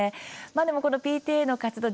でもこのＰＴＡの活動